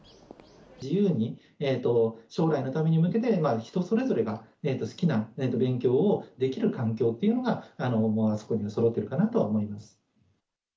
自由に将来のために向けて、人それぞれが好きな勉強をできる環境というものが、あそこにはそろっているかなと思います。